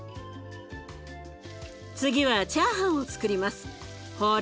次はチャーハンをつくります。